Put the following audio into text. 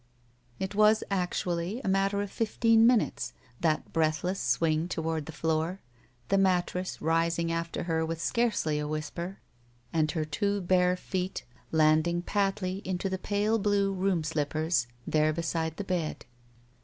It was actually a matter of fifteen minutes, that breathless swing toward the floor, the mattress rising after her with scarcely a whisper and her two 33 SHE WALKS IN BEAUTY bare feet landing patly into the pale blue room slippers, there beside the bed.